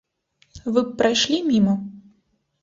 Вы б прайшлі міма?